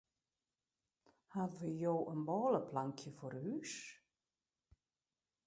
Hawwe jo in bôleplankje foar ús?